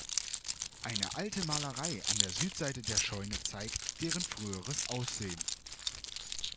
Eine alte Malerei an der Südseite der Scheune zeigt deren früheres Aussehen.